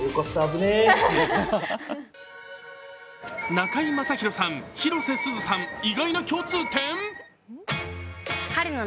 中居正広さん、広瀬すずさん、意外な共通点？